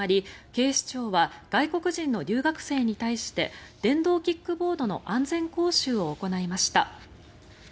警視庁は外国人の留学生に対して電動キックボードの安全講習を行いました。